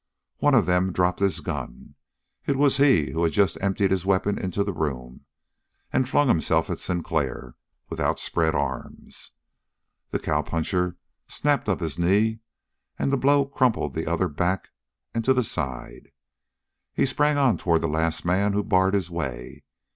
One of them dropped his gun it was he who had just emptied his weapon into the room and flung himself at Sinclair, with outspread arms. The cowpuncher snapped up his knee, and the blow crumpled the other back and to the side. He sprang on toward the last man who barred his way.